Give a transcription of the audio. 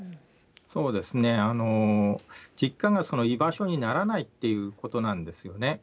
そうですね、実家が居場所にならないということなんですよね。